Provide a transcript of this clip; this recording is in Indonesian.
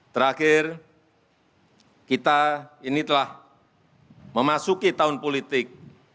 terakhir kita ini telah memasuki tahun politik